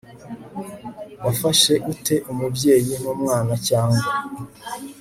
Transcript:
wafasha ute umubyeyi w'umwana cyangwa